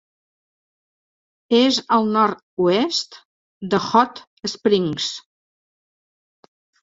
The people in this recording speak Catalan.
És al nord-oest de Hot Springs.